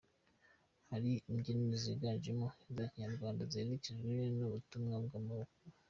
Hari imbyino ziganjemo iza kinyarwanda ziherekejwe n'ubutumwa bw'amahoro.